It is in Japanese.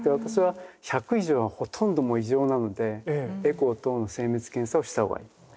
１００以上はほとんどもう異常なのでエコー等の精密検査をしたほうがいい。